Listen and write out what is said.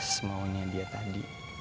semaunya dia tadi